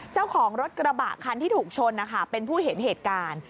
เจ้าของรถกระบะคันที่ถูกชนนะคะเป็นผู้เห็นเหตุการณ์